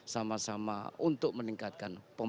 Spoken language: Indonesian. sama sama untuk meningkatkan pembangunan